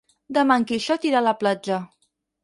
Demà en Quixot irà a la platja.